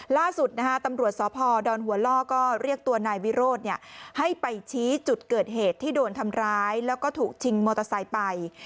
ล่าสุดนะฮะตำรวจสพดอนหัวล่อก็เรียกตัวนายวิโรธให้ไปชี้จุดเกิดเหตุที่โดนทำร้ายแล้วก็ถูกชิงมอเตอร์ไซค์ไป